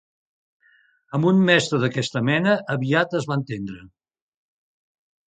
Amb un mestre d'aquesta mena, aviat es va entendre